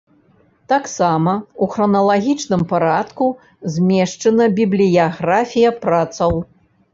Таксама, у храналагічным парадку, змешчана бібліяграфія працаў.